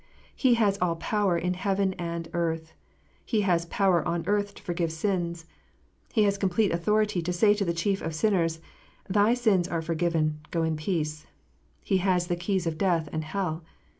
He has " all power in heaven and earth." He has " power on earth to forgive sins." He has complete authority to sayHo the chief of sinners, "Thy sins are forgiven. Go in peace." He has "the keys of death and hell."